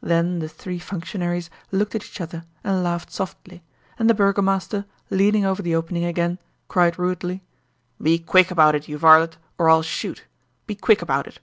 Then the three functionaries looked at each other and laughed softly, and the burgomaster, leaning over the opening again, cried rudely: "Be quick about it, you varlet, or I'll shoot! Be quick about it!"